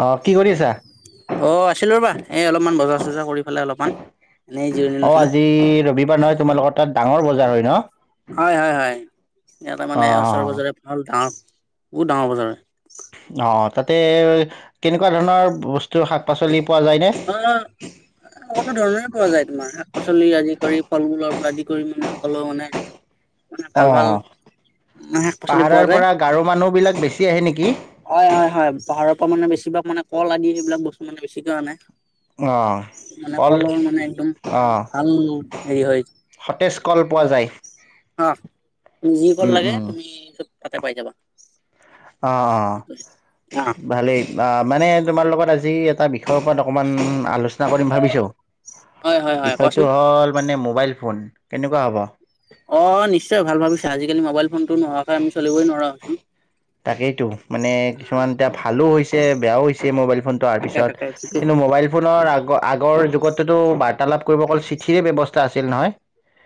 অ কি কৰি আছা? অ আছিলোঁ ৰ'বা, এই অলপমান বজাৰ চজাৰ কৰি পেলাই অলপমান, এনেই জিৰণি অ লৈছিলোঁ। আজি ৰবিবাৰ নহয় তোমালোকৰ তাত ডাঙৰ বজাৰ হয় ন? হয়, হয়, হয় ইয়াতে অ মানে ওচৰে-পজৰে ভল ডৱৰ বহুত ডাঙৰ বছাৰ হয়। অ'। তাতে কেনেকুৱা ধৰণৰ বস্তু শাক পাচলি? পোৱা যায়নে? অ', ককলো ধৰণৰে কোৱা যায়। মাৰ শাক পাচলি আদি কৰি ফল মূলৰ আদি কৰি মানে সকলো মানে মানে অ ভাল ভাল শাক পাচলি পোৱা পাহাৰৰ যায় পৰা গাৰো মানুহ বিলাক বেছি আহে নেকি? হয়, হয়, হয় পাহাৰৰ পৰা মানে বেছিভাগ মানে কল আদি এইবিলাক বস্তু মানে বেছিকে আনে। অ মানে কল কলৰ মানে একদম অ ভাল হেৰি হয় সতেজ কল পোৱা যায় অ যি কল উম লাগে উম তুমি তাতে পাই যাবা। অ অ ভালেই অ মানে তোমাৰ লগত আজি যি এটা বি বিষয়ৰ ওপৰত অকণমান আলোচনা কৰিম ভাবিছোঁ। অ হয় হয় হয় বিষয়টো কোৱাচোন হ'ল মানে মোবাইল ফোন। কেনেকুৱা হ'ব? অ', নিশ্চয় ভাল ভাবিছে আজিকালি মোবাইল ফোনটো নোহোৱাকৈ আমি চলিবই নোৱাৰা হৈছো। তাকেইতো মানে কিছুমান এতিয়া ভালো হৈছে। বেয়াও হৈছে মোবাইল হোৱাৰ তাকে তাকে পিছত ঠিকেই কিন্তু মোবাইল ফোনৰ আগৰ আগৰ যুগত টো বাৰ্তালাপ কৰিব অকল চিঠিৰে ব্যৱস্থা আছিল নহয়।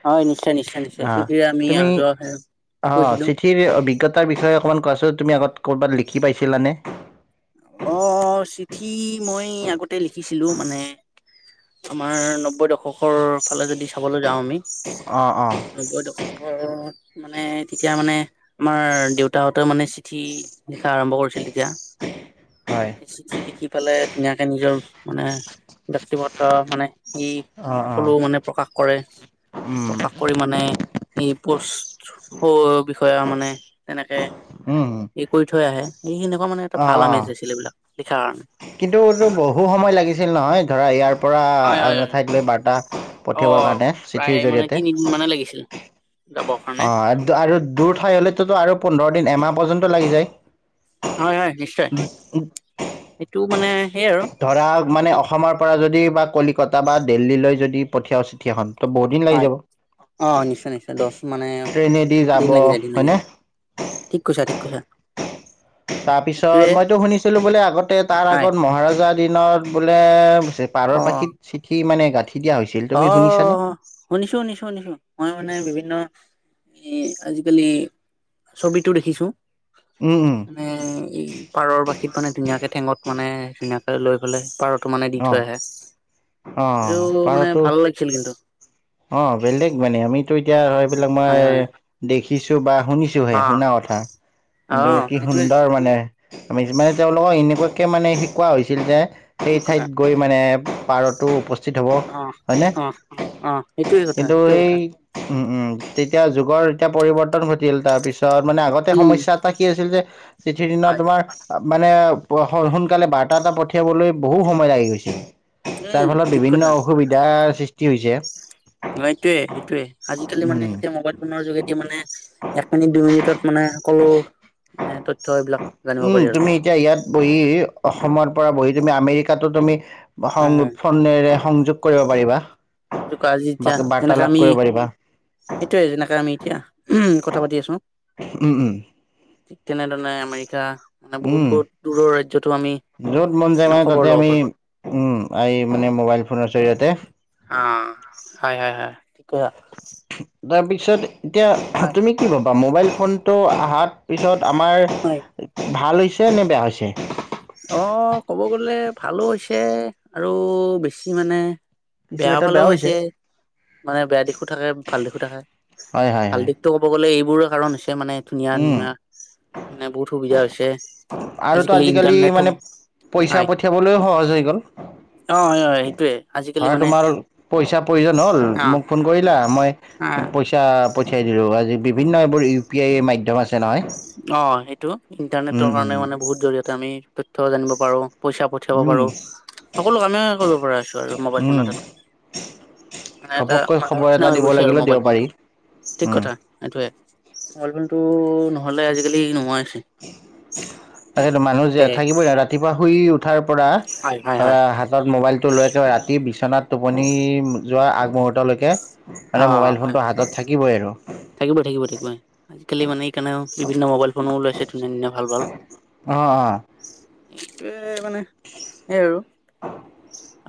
হয় নিশ্চয় নিশ্চয় আহ নিশ্চয়তি আমি যোৱাে কৈছিলো। ত' অভিজ্ঞতাৰ বিষয়ে অক ক তুমি আগত কৰ'বাত লিখি পাইছিলানে? অ', চিঠি মই আগতে লিখিছিলো মানে। আমাৰ নব্বৈ দশক দখৰ ফালে যদি চাবলৈ যাওঁ আমি অ অ নব্বৈ দশক। অ'। মানে তেতিয়া মানে আমাৰ দেউতাহঁতেও মানে চিঠি লিখা আৰম্ভ কৰিছিল তেতিয়া। হয় মানে চিঠি লিখি পেলাই ধুনীয়াকে নিজৰ মানে ব্যক্তিগত মানে ই অ অ সকলো মানে প্ৰকাশ কৰে, উম প্ৰকাশ কৰি মানে এই পুচ অ। ক আও মানে তেনেকে উম এই কৰি থৈ আহে এই সনেকুৱা মানে ত' ভাল নমাইছে চছিলিবিলাক কিন্তুটো বহু সময় লাগিছিল নহয়। ধৰা ইয়াৰ পৰা হয় হয় আন ঠাইত লৈ বাৰ্তা অ পঠিয়াবৰ কাৰণে প্ৰায় চিঠিৰ মানে জৰিয়তে তিনিদিন মানে লাগিছিল যাবৰ কাৰণে অ', আৰু দূৰ ঠাই হ'লেটো আৰু পোন্ধৰ পৰ দিন এমাহ পৰ্যন্ত লাগি যায়। হয় হয় নিশ্চয় এইটো মানে সেই আৰু ধৰা মানে অসমৰ পৰা যদি বা কলিকতা বা দিল্লীলৈ যদি পঠিয়াও চিঠি এখন ত' বহুত দিন লাগি হয়, যাব অ', নিশ্চয়, নিশ্চয় দহ মানে ট্ৰেইনেদি যাব দিন লাগি যায় দিন লাগি হয়নে ঠিক কৈছে। [inaudible] তাৰ পিছত মইতো শুনিছিলো বোলে আগতে তাৰ হয় আগত মহাৰাজাত দিনত বোলে পাৰৰ অ পাখিত চিঠি মানে গাঁঠি দিয়া হৈছিল তুমি শুনিছানে অ', শুনিছো, শুনিছো, শুনিছো মই মানে বিভিন্ন এ, আজিকালি ছবিটো দেখিছো। উম উম মানে এই পাৰৰ বাসীত মানে ধুনীয়াকে ঠেঙত মানে ধুনীয়া লৈ পেলে পাৰত মানে দি থৈ আহে। অ এইটো মানে পাৰতো। ভাল লাগ খেলি [unintelligible] অ', বেলেগ মানে আমি টো, এতিয়া হয়। এইবিলাক মই হয় হয় দেখিছো বা শুনিছো। অ [unintelligible] শুনা অ কথা কিন্তু কি সেইটোৱে সুন্দৰ সেইটোৱে মানে আমি যিমানে তেওঁলোকক এনেকুৱা। এনেকুৱা কে মানে শিকোৱা হৈছিল যে সেই ঠিক কথা ঠাইত গৈ মানে পাৰতো উপস্থিত । অ', অ', অ', অ'। সেইটোৱে কথা কিন্তু সেইটোৱে সেই কথা উম উম তেতিয়া যুগৰ [unintelligible] এতিয়া পৰিৱৰ্তন ঘটিল। তাৰপিছ তৰ, মানে আগতে উম সমস্যা এটা কি হৈছিল যে চিঠিৰ দিনত হয় তোমাৰ আ, মানে প, স-সোনকালে বাৰ্তা এটা পঠিয়াবলে বহু সময় লাগি গৈছিল। তাৰ উম ফলত বিভিন্ন অসুবিধাৰ সৃষ্টি । কি হৈছে? অ', এইটোয়ে সেইটোয়ে। আজিকালি মানে উম এতিয়া মোবাইল ফোনৰ যোগেদি মানে এক মিনিট, দুই মিনিটত মানে সকলো মানে তথ্য এইবিলাক জানিব উম পাৰি আৰু। তুমি এতিয়া ইয়াত বহি অসমৰ পৰা বহি তুমি আমেৰিকাতো তুমি সং হয় হয় ফনেৰে সংযুক্ত কৰিব পাৰিবা। [unintelligible] যুকা আজি যেতিয়া সেনেকাে বাৰ্তালাপ আমি কৰিব পাৰিবা এতিয়ায়ে যেনেকা আমি এতিয়া কথা পাতি আছো। উম উম ঠিক তেনেদৰণে আমেৰিকা। মানে বহুত উম, বহুত দূৰৰ ৰাজ্যতো আমি য'ত মন যায় মানে খবৰ তাতে ল'ব আমি পাৰো। উম, আই মানে মোবাইল ফোনৰ জৰিয়তে হা, হয়, হয়, হয় ঠিক কৈছা। তাৰপিছতে। এতিয়া তুমি কি ভাবা। বা, মোবাইল ফোনটো আহাৰ পিছত আমাৰ হয় ভাল হৈছ হৈছে নে বেয়া হৈছে। অ' ক'ব গলে ভালো হৈছে আৰু বেছি মানে বেয়া ফালেও হৈছে মানে বেয়া দিশো থাকে ভাল দিশো থাকে। হয় হয় ভাল হয় দিশতটো ক'ব গ'লে এই বোৰ কাৰণ হৈছে । তেওঁ মানে ধুনীয়া উম ধুনীয়া। মানে বহুত সুবিধা হৈছে। আৰুতো আজিকালি পিইচা হয় পঠিয়াবলৈ সহজ হৈ গ'ল, অ হয় হয় সেইটোয়ে আজিকালি ধৰা মানে তোমাৰ পিইচা প্ৰয়োজন হ'ল, অ মোক ফোন কৰিলা, মই পইচা পঠিয়াই দিলো আজি। বিভিন্ন এইবোৰ ইউ পি আইয়ে মাধ্যম আছে নহয় অঁ সেইটো, উম ইণ্টাৰনেটৰ কাৰণে মানে উম বহুত জৰিয়তে আমি তথ্য জানিব পাৰোঁ পইচা পঠিয়াব উম পাৰো, সকলো কামেই কৰিব পৰা আছো আৰু মোবাইল উম ফোনত এটা, মানে এটা ঘপককৈ মানুহৰ খবৰ এটা নিচিনা হৈ দিব গৈছে আৰু লাগিলে দিব মোবাইল পাৰি ফোনটো, ঠিক উম কথা, সেইটয়ে। অু [unintelligible] নহলে আজিকালি নোৱাৰে [unintelligible] তাকে মানুহ যে তাকে থাকিবই ৰা-ৰাতিপুৱা সুই উঠাৰ পৰা আ, হয় হয় হয় হাতত মোবাইলটো লৈ একেবাৰে ৰাতি বিছ বিছনাত টোপনি যোৱা আগমুহূৰ্তলৈকে মানে মোবাইল ফোনটো হাতত থাকিবই আৰু। থাকিবই-থাকিবই-থাকিবই, আজিকালি মানে ইকানাও বিভিন্ন মোবাইল ফনো ওলাইছে ধুনীয়া ধুনীয়া ভাল ভাল। অঁ অঁ এতো মানে, সেই আৰু।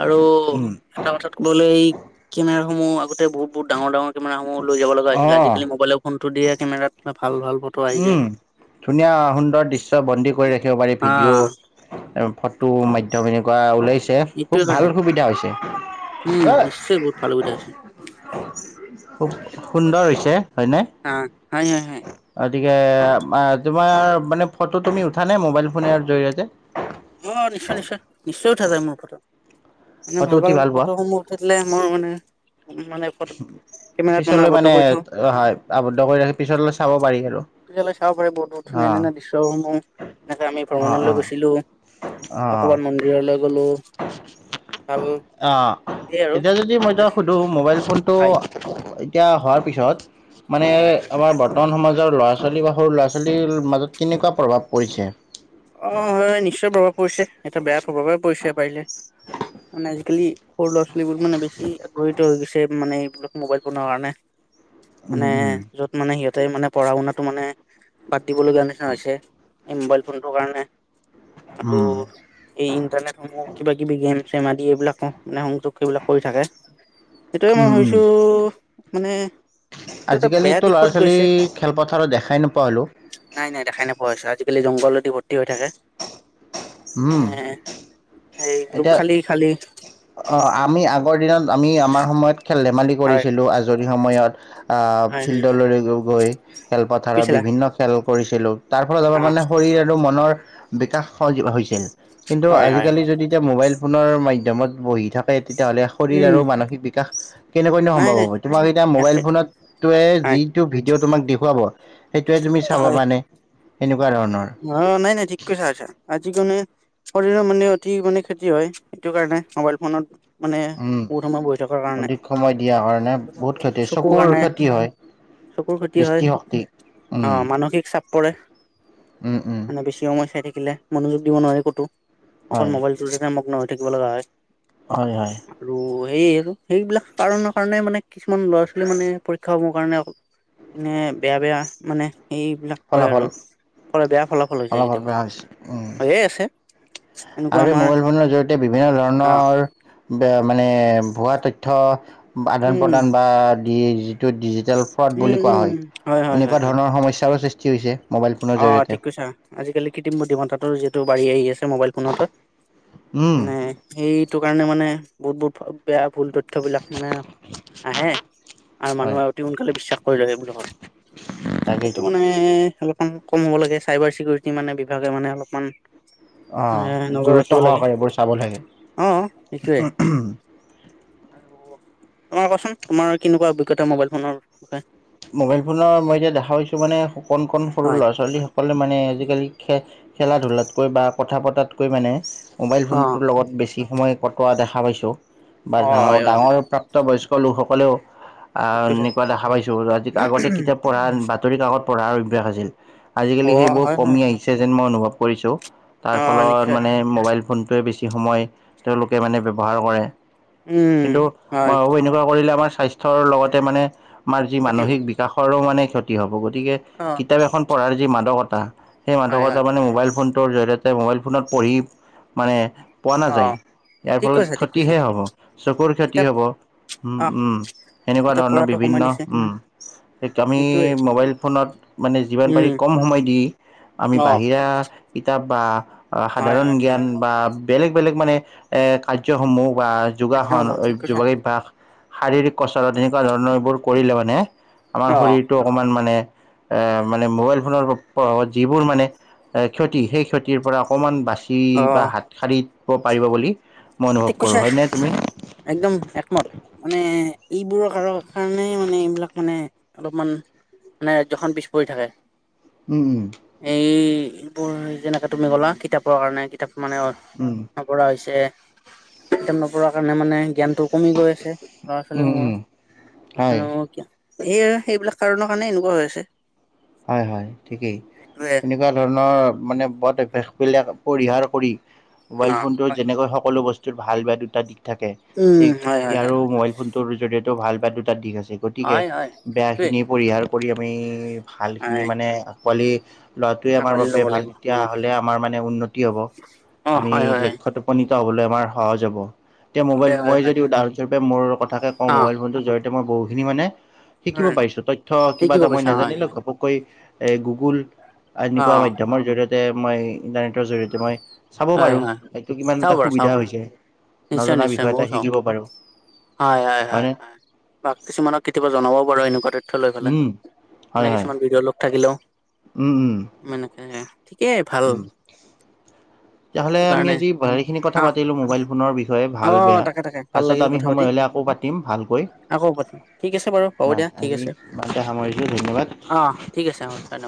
আৰু উম এটা কথাত ক'বলৈ এই কেমেৰা সমু বহুতে বহুত-বহুত ডাঙৰ ডাঙৰ কেমেৰাসমূহ লৈ যাব লগা হৈছিলে, আজি অঁ ফোনটো দিয়া কেমেৰা আ উম, ধুনীয়া সুন্দৰ দৃশ্য বন্দী কৰি ৰাখি দিব পাৰি হা ভিডিঅ'ত আৰু ফটো মাধ্যম এনেকুৱা ওলাই ছে, এইটোৱে খুব কাৰণে ভাল সুবিধা হৈছে। উম নিশ্চয় বহুত ভাল সুবিধা হৈছে অই। [inaudible] খুব তাকেতো সুন্দৰ হৈছে, হয়নে? নহয় । [unintelligible] গতিকে মা, তোমাৰ মানে ফটো তুমি উঠা নে, মবাইলফোনেৰ জৰিয়তে? মই নিশ্চয় নিশ্চয়, নিশ্চয় উঠা যায় মোৰ ফত। মানে ফটো ভাল উঠি ভাল পোৱা? ফতসমূহ উঠিলে মোৰ মানে, উম মানে ফটো [unintelligible] কেমেৰাত মানে আৱদ্ধ কৰি থ। হয় আৱদ্ধ কৰি ৰাখি পিছলৈ চাব পাৰি আৰু। তেতিয়ালে চাব পাৰে বহুত বহুত ধুনীয়া অ', ধুনীয়া দৃশ্যসমূহ। এনেকে আমি অ', ভ্ৰমণলৈ অ', গৈছিলো। অ, বা ক'ৰবাত মন্দিৰলৈ গ'লো ভাল আ সেই আৰু এতিয়া যদি মই এনেকে তক সুধো মোবাইল। তটো হয় এতিয়া হোৱাৰ পিছত । মানে হয় হয় হয় আমাৰ বৰ্তমান সমাজ । ৰ ল'ৰা ছোৱালী বা সৰু ল'ৰা ছোৱালীৰ মাজত কেনেকুৱা প্ৰভাৱ পৰিছে অ হয় নিশ্চয় প্ৰভাৱ পৰিছে এয়া বেয়া। সবৰে পইচা পাৰিলে মানে আজিকালি সৰু ল'ৰা ছোৱালীবোৰ মানে বেছি আকষিত হৈ গৈছে মানে এইবিলাক মোবাইল বনোৱাৰ কাৰণে। । উম, মানে উম, য'ত মানে সিহঁত। মানে পঢ়া শুনাাতটো মানে বাদ দিব লগীয়া নিচিনা হৈছে মানে। চোনটোৰ কাৰণে। আৰু উম, এই ইন্টাৰনেটসমূহ কিবা কিবি গেম । গেম আদি এইবিলাক কওঁ । মানে সংযোগ সেইবিলাক কৰি থাকে সেইটোৱে উম, মই উম। ভাবিছোঁ। মানে এইটো এটা বেয়া আজিকালিতো ল'ৰা দিশত ছোৱালী গৈছে খেলপথাৰত দেখাই নোপোৱা হ'লো। কেইলে জংঘলত । ভৰ্তি হৈ থাকে। উম, হে এতিয়া অ 'আমি আগৰ দিনত আমি আমাৰ সময়ত । খেল- ধেমালি হয় কৰিছিলো আজৰি সময়ত । আ হয় হয় হয় ফিল্ডলৈ গৈ খেলপথাৰত কৈছিলা বিভিন্ন খেল। কৰিছিলোঁ। তাৰ ফলত অ আমাৰ মানে শৰীৰ আৰু মনৰ। বিকাশ সজীৱ হৈছে কিন্তু হয় হয় আজিকালি হয় যদি। মোবাইল ফোনৰ মাধ্যমত বহি থাকে । তেতিয়াহ'লে শৰীৰ উম আৰু মানসিক বিকাশ । কেনেকৈ ন নাই সম্ভৱ নাই হ'ব তোমাৰ এতিয়া মোবাইল ফোনতয়ে হয় যিটো ভিডিঅ' তোমাক দেখুৱাব। সেইটোয়ে তুমি চাবা হয় মানে। এনে অ নাই নাই ঠিক কথা কৈছা আজি কেনে শৰীৰৰ মানে অতি মানে ক্ষতি হয় সেইটো কাৰণে মোবাইল ফোনত। মানে উম বহু সময় বহি থকাৰ কাৰণে অধিক সময় দিয়াৰ কাৰণে প্ৰথম কথাটো বহুত ক্ষতি চকুৰ কাৰণে ক্ষতি হয়। চকুৰ ক্ষতি হয়, দৃষ্টিশক্তি উম আহ মানসিক চাপ পৰে। উম উম মানে বেছি সময় চাই থা থাকিলে মনোযোগ দিব নোৱাৰে কতো। অকল হয় মোবাইলটো লেকে মগ্ন হৈ থাকিব লগা হয়। হয় হয় । সেয় সেইবিলাক কাৰণৰ কাৰণে মানে কিছুমান ল'ৰা ছোৱালী মানে পৰীক্ষা সমূহৰ কাৰণে মানে বেয়া বেয়া মানে সেইবিলাক কয় ফলাফল আৰু । বেয়া ফলাফল হৈ যায় কেতিয়াবা বেয়া হৈছে উম হৈয়ে আছে । আৰু মোবাইল ফোনৰ জৰিয়তে বিভিন্ন অ ধৰণৰ বেয়া মানে ভুৱা তথ্য আদান উম প্ৰদান বা ধেই জি ডিজিটেল ফ্ৰড বুলি উম কোৱা হয়, উম হয় হয় এনেকুৱা হয় ধৰণৰ সমস্যাৰো সৃষ্টি তি হৈছে। মোবাইল ফোনৰ অ জৰিয়তে ঠিক কৈছা আজিকালি কৃত্ৰিম বুদ্ধিমত্তাটোৰ যি বাঢ়ি আহি আছে । মোবাইল ফোনতে উম মানে সেই সেইটো কাৰণে মানে বহুত বহুত ভাল বেয়া ভুল তথ্যবিলাক মানে আহে আৰু হয় মানুহে অতি সোনকালে বিশ্বাস কৰি লয় সেইবিলাকত সেইটো তাকেইতো মানে অলপ অ । কম হ'ব লাগে চাইবাৰ চিকিউৰিটি মানে বিভাগে মানে অলপমান অ এ নজৰ গুৰুত্ব ৰাখিব লাগে সহকাৰে এইবোৰ চাব লাগে। [inaudible] উম কচোন তোমাৰ কেনেকুৱা অভিজ্ঞতা মোবাইল ফোনৰ বিষয়ে মোবাইল ফোনৰ মই এতিয়া দেখা পাইছো মানে কণ কণ সৰু হয় ল'ৰা ছোৱালী সকলে মানে আজিকালি খেল খেলা ধূলাতকৈ বা কথা পতাতকৈ মানে মোবাইল অ ফোনটোৰ লগত বেছি সময় কটোৱা দেখা পাইছোঁ । বা অ ডাঙৰ হয় হয় ডাঙৰ প্ৰাপ্ত বয়স্ক লোকসকলেও ঠিক কৈছা [unintelligible] আগতে কিতাপ পঢ়া বাদ বাতৰি কাকত পঢ়াৰ অভ্যাস আছিল অ আজিকালি সেইবোৰ হয় হয় কমি আহিছে যেন মই অনুভৱ কৰিছোঁ তাৰ অ ফলত নিশ্চয় মানে মোবাইল ফোনটোৱে বেছি সময় তেওঁলোকে মানে ব্যৱহাৰ কৰে। উম কিন্তু মই হয় ভাবো এনেকুৱা কৰিলে আমাৰ স্বাস্থ্যৰ লগতে মানে আমাৰ যি ক্ষতি হ'ব মানসিক বিকাশৰো মানে ক্ষতি হ'ব গতিকে অ কিতাপ এখন পঢ়াৰ যি মাদকতা বাহ সেই হয় মাদকতা হয় মানে মোবাইল ফোনটোৰ জৰিয়তে মোবাইল ফোনত পঢ়ি মানে পোৱা অ নাযায় ইয়াৰ ঠিক ফলত কৈছা ঠিক কৈছা ক্ষতিহে হ'ব চকুৰ ক্ষতি কিতাপ হ'ব উম আহ উম সেনেকুৱা কিতাপ ধৰণৰ পঢ়াটো বিভিন্ন কমাই দিছে উম আমি সেইটোৱে মোবাইল ফোনত মানে যিমান পাৰি উম কম সময় দি আমি অ বাহিৰা কিতাপ বা হয় সাধাৰণ হয় হয় জ্ঞান বা বেলেগ বেলেগ মানে এ কাৰ্যসমূহ বা একদম যোগাসন ঠিক কৈছা যোগভ্যাস শাৰীৰিক কচৰত তেনেকুৱা ধৰণৰ এইবোৰ কৰিলে মানে অ আমাৰ শৰীৰটো অকমান মানে এ মানে মোবাইল ফোনৰ প্ৰভাৱত যিবোৰ মানে এ ক্ষতি সেই ক্ষতিৰ পৰা অকমান বাচি অ বাছি বা হাতসাৰি ক'ব পাৰিব বুলি মই অনুভৱ ঠিক কৰোঁ কৈছো হয়নে তুমি? একদম একমত মানে এইবোৰৰ কাৰ কাৰণে মানে এইবিলাক মানে অলপমান মানে ৰাজ্যখন পিছ পৰি থাকে উম উম এই এইবোৰ যেনেকে তুমি গ'লা কিতাপৰ কাৰণে কিতাপ মানে অ উম পৰা হৈছে ন পঢ়াৰ কাৰণে মানে জ্ঞান টো কমি গৈ আছে ল'ৰা উম উম ছোৱালীসমূহৰ আছে হয় ন সেয়ে সেইবিলাক কাৰণৰ কাৰণে এনেকুৱা হৈ আছে হয় হয় ঠিকেই সেইটোৱে এনেকুৱা ধৰণৰ মানে ব বিলাক পৰিহাৰ কৰি অ মোবাইল ফোনটো হয় যেনেকৈ সকলো বস্তু ভাল বে দুটা দি থাকে উম ঠিক হয় হয় হয় ইয়াৰো মোবাইল ফোনটোৰ জৰিয়তে ভাল বেয়া দুটা দিশ আছে গতিকে হয় হয় সেইটোৱে বেয়াখিনি পৰিহাৰ কৰি আমি ভাল খিনি হয় মানে পোৱালি লৰাটোৱে আমাৰ সাকলি বাবে ল'ব ভাল লাগিব তেতিয়া হ'লে আমাৰ মানে উন্নতি কি হব অ আমি হয় হয় লক্ষত উপনীত হ'বলৈ আমাৰ সহজ হ'ব এতিয়া মোবাইল হয় হয় মই হয় যদি উাহৰহৰূেপ মোৰ কথাকে কওঁ অ মোবাইল ফোনটো জৰি়তে এতিয়া মই বহুখিনি মানে উম শিকিব পাৰিছো তথ্য কিবা শিকিব এটা মই গৈছা হয় নাজানিলে হয় খ এ গুগল অ এনেকুৱা মাধ্যমৰ জৰি়য়তে যে মই ইণ্টাৰনেটৰ জৰিয়তে মই চাব হয় পাৰোঁ। হয় সেইটো কিমান চাব এটা পাৰা চাব সুবিধা পাৰা হৈছে নিশ্চয় নজনা নিশ্চয় বিষয় মইও এটা চাও শিকিব পাৰোঁ হয় হয় হয় হয়নে? হয় কিছুমানক কেতিয়াবা জনাবও পাৰু এনেকুৱা লৈ পেলাই উম, মানে হয় হয় কিছুমান থাকিলেও উম উম [unintelligible] ঠিকেই ভাল উম। তেতিয়াহ'লে সেইটো আমি কাৰণে আজি ভালেইখিনি কথা অ পাতিলো মোবাইল ফোনৰ বিষয়ে অ ভাল বেয়া তাকে তাকে ভাল পাছত লাগিল আমি কথা পাতি সময় হ'লে আকৌ পাতিম ভালকৈ আকৌ পাতিম ঠিক আছে বাৰু ন হ'ব দিয়া ঠিক আজি আছে সামৰিছো ধন্যবাদ অ ঠিক আছে অ ধন্যবাদ